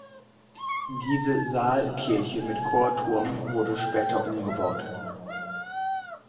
Diese Saalkirche mit Chorturm wurde später umgebaut.